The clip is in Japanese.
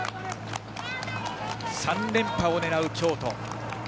３連覇を狙う京都。